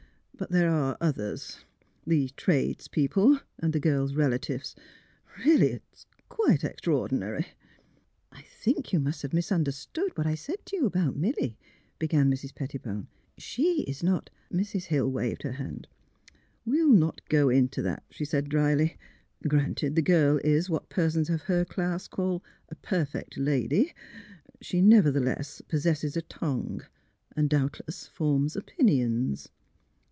But there are others — the trades people, 150 THE HEART OF PHILURA and the girl's relatives. Really, it is quite extraor dinary." *' I think you must have misunderstood what I said to you about Milly,'^ began Mrs. Pettibone. " She is not '' Mrs. Hill waved her hand. '' AVe'll not go into that,'^ she said, dryly. " Granted the girl is what persons of her class call ' a perfect lady ^; she nevertheless possesses a tongue, and doubtless forms opinions."